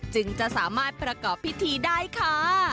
จึงจะสามารถประกอบพิธีได้ค่ะ